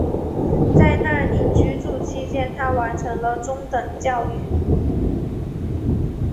在那里居住期间她完成了中等教育。